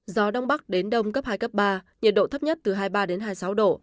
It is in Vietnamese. gió đông bắc đến đông cấp hai cấp ba nhiệt độ thấp nhất từ hai mươi ba đến hai mươi sáu độ